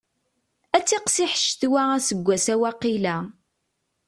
Ad tiqsiḥ ccetwa aseggas-a waqila.